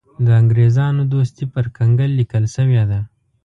د انګرېزانو دوستي پر کنګل لیکل شوې ده.